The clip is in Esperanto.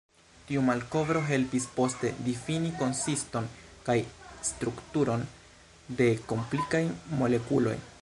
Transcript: Tiu malkovro helpis poste difini konsiston kaj strukturon de komplikaj molekuloj.